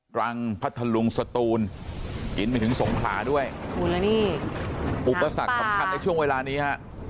รังพัทธลุงสตูนกินไปถึงสงขลาด้วยนี่อุปสรรคสำคัญในช่วงเวลานี้ฮะ